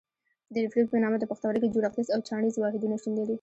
د نفرون په نامه د پښتورګي جوړښتیز او چاڼیز واحدونه شتون لري.